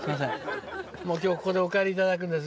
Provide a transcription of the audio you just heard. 今日はここでお帰りいただくんです。